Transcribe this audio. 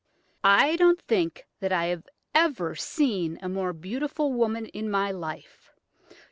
I don't think that I had ever seen a more beautiful woman in my life.